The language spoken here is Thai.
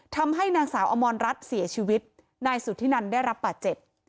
ทำให้นางสาวอมรรัฐเสียชีวิตนายสุธินันได้รับบาดเจ็บ